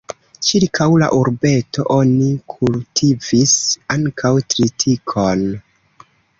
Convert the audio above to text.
Ĉirkaŭ la urbeto oni kultivis ankaŭ tritikon.